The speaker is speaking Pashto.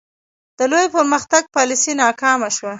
د لوی پرمختګ پالیسي ناکامه شوه.